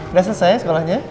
udah selesai sekolahnya